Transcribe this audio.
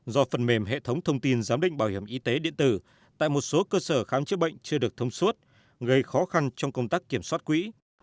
do phần mềm hệ thống thông tin giám định bảo hiểm y tế điện tử tại một số cơ sở khám chữa bệnh chưa được thông suốt gây khó khăn trong công tác kiểm soát quỹ